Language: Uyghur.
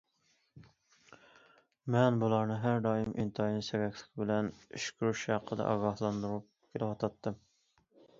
مەن بۇلارنى ھەر دائىم ئىنتايىن سەگەكلىك بىلەن ئىش كۆرۈش ھەققىدە ئاگاھلاندۇرۇپ كېلىۋاتاتتىم.